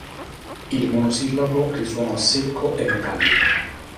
Il monosillabo risuonò secco e metallico.